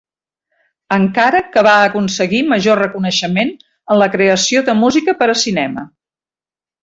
Encara que va aconseguir major reconeixement en la creació de música per a cinema.